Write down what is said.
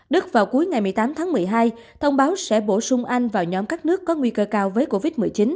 đức vào cuối ngày một mươi tám tháng một mươi hai thông báo sẽ bổ sung anh vào nhóm các nước có nguy cơ cao với covid một mươi chín